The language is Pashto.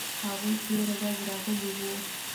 هغوی تیره ورځ راغلي وو